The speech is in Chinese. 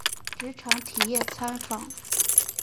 职场体验参访